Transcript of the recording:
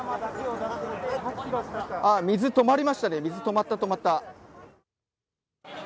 あっ、水、止まりましたね、水、止まった、止まった。